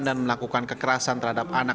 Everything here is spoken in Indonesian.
dan melakukan kekerasan terhadap anak